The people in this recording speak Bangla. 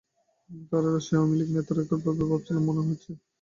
তারাও রাজশাহীর আওয়ামী লীগ নেতার মতো একইভাবে ভাবছেন বলে মনে হয়েছে।